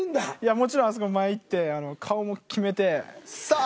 もちろんあそこの前行って顔もキメてさあ！